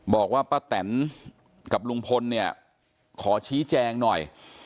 บอกว่าป้าแตนกับลุงพลเนี่ยขอชี้แจงหน่อย